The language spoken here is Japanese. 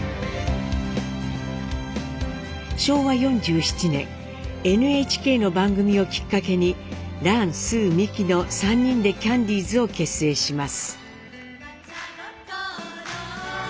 昭和４７年ＮＨＫの番組をきっかけにランスーミキの３人でキャンディーズを結成します。